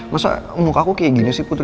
masa muka aku kayak gini sih putri